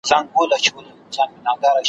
چي شاعر غواړي خپلو لوستونکو او اورېدونکو ته `